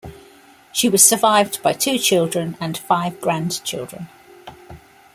She was survived by two children and five grandchildren.